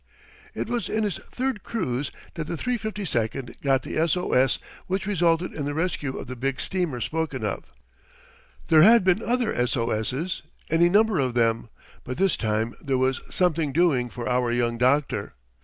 It was in his third cruise that the 352 got the S O S which resulted in the rescue of the big steamer spoken of. There had been other S O S's any number of them but this time there was something doing for our young doctor.